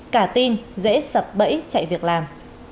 cả tin dễ sập bẫy chạy việc làm